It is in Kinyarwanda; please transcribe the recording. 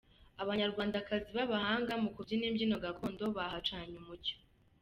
Abanyarwandakazi b'abahanga mu kubyina imbyino gakondo bahacanye umucyo.